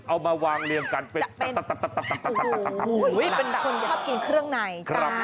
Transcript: เอามาวางเรียงกันเป็นคนชอบกินเครื่องใน